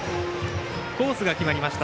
コースが決まりました。